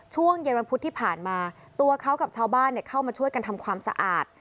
ช่วงเย็นวันพุธที่ผ่านมาตัวเขากับชาวบ้านเข้ามาช่วยกันทำความสะอาด